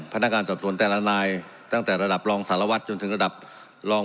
พนักงานสอบสวนแต่ละนายตั้งแต่ระดับรองสารวัตรจนถึงระดับรอง